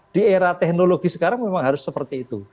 di era teknologi sekarang memang harus seperti itu